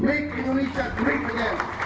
make indonesia great again